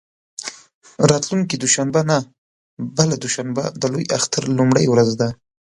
راتلونکې دوشنبه نه، بله دوشنبه د لوی اختر لومړۍ ورځ ده.